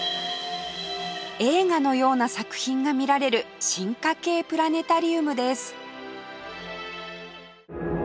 映画のような作品が見られる進化形プラネタリウムです